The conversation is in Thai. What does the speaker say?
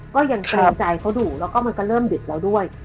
ก็ยังเกรงใจเขาดูแล้วก็มันก็เริ่มหยุดเราด้วย